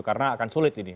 karena akan sulit ini